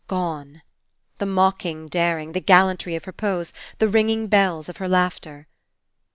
Gone! The mocking daring, the gallantry of her pose, the ringing bells of her laughter.